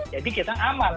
jadi kita aman